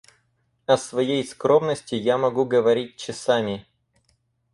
О своей скромности я могу говорить часами.